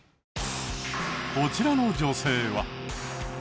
こちらの女性は。